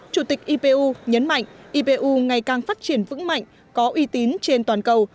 chủ tịch ipu nhấn mạnh ipu ngày càng phát triển vững mạnh có uy tín trên toàn cầu